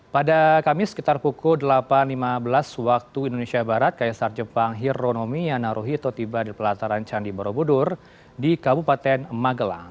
pada kamis sekitar pukul delapan lima belas waktu indonesia barat kaisar jepang hironomiya naruhito tiba di pelataran candi borobudur di kabupaten magelang